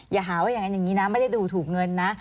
อย่าหาว่าอย่างนี้นะไม่ได้ดูถูกเงินนะ